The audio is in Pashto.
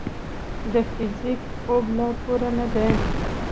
د فزیک خواب لا پوره نه دی.